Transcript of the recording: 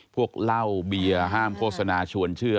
พวกเหล้าเบียร์ห้ามโฆษณาชวนเชื่อ